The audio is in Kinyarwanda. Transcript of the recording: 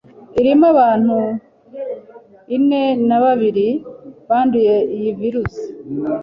irimo abantu ine nababiri banduye iyi virus,